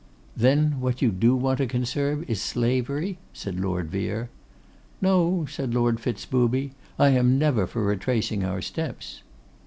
'Then what you do want to conserve is slavery?' said Lord Vere. 'No,' said Lord Fitz booby, 'I am never for retracing our steps.